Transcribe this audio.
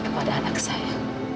kepada anak saya